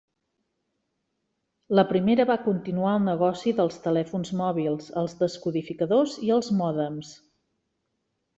La primera va continuar el negoci dels telèfons mòbils, els descodificadors i els mòdems.